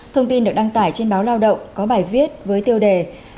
thông tin được đăng tải trên báo lao động có bài viết với tiêu đề